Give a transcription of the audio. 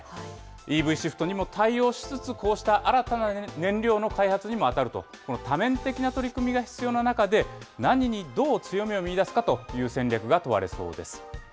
ＥＶシフトにも対応しつつ、こうした新たな燃料の開発にも当たると、多面的な取り組みが必要な中で、何にどう強みを見いだすかという戦略が問われそうです。